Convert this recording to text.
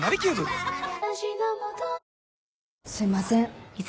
すいません